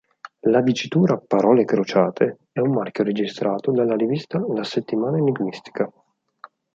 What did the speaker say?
La dicitura "Parole crociate" è un marchio registrato dalla rivista La Settimana Enigmistica.